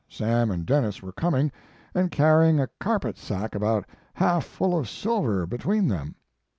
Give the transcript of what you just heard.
Sam and Denis were coming, and carrying a carpet sack about half full of silver between them.